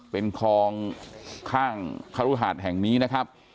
เป็นคลองข้างครุหาดแห่งนี้นะครับ